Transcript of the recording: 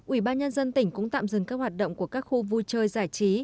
ubnd tỉnh cũng tạm dừng các hoạt động của các khu vui chơi giải trí